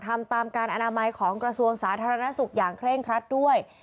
ทำตามการอนามัยของกระทรวงสาธารณสุขอย่างเคร่งครัดด้วย